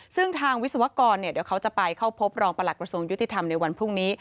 ซึ่งทางวิศวกรเดี๋ยวเขาจะไปเข้าพบรองประหลักกระทรวงยุติธรรมในวันพรุ่งนี้